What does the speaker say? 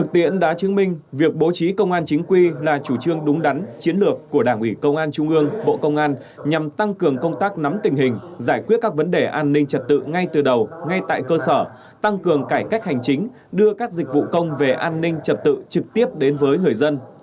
tiễn đã chứng minh việc bố trí công an chính quy là chủ trương đúng đắn chiến lược của đảng ủy công an trung ương bộ công an nhằm tăng cường công tác nắm tình hình giải quyết các vấn đề an ninh trật tự ngay từ đầu ngay tại cơ sở tăng cường cải cách hành chính đưa các dịch vụ công về an ninh trật tự trực tiếp đến với người dân